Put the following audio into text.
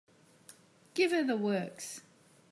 Give her the works.